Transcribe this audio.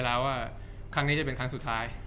จากความไม่เข้าจันทร์ของผู้ใหญ่ของพ่อกับแม่